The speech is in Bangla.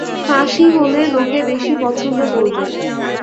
ফাঁসি হলে লোকে বেশি পছন্দ করবে।